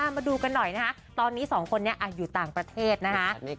มาดูกันหน่อยนะคะตอนนี้สองคนนี้อยู่ต่างประเทศนะคะ